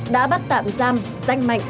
đã bắt tạm giam danh mạnh